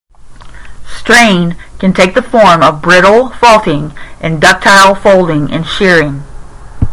Strain can take the form of brittle faulting and ductile folding and shearing.